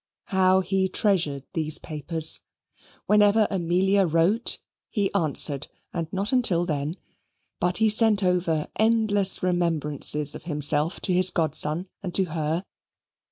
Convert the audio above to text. How he treasured these papers! Whenever Amelia wrote he answered, and not until then. But he sent over endless remembrances of himself to his godson and to her.